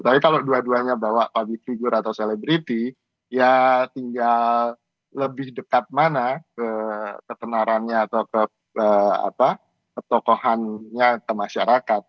tapi kalau dua duanya bawa public figure atau selebriti ya tinggal lebih dekat mana ketenarannya atau ketokohannya ke masyarakat